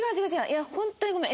いやホントにごめん。